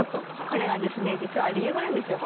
これがですね実は理由があるんですよ。